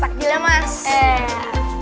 pak takjilnya pak